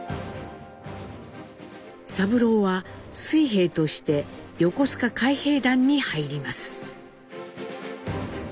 三郎は水兵として横須賀海兵団に入ります。